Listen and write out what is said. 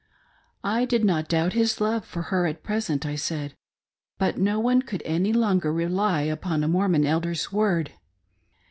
I dfd not doubt his love for her at present, I said, but no one could any longer rely upon a Mormon Elder's if ord.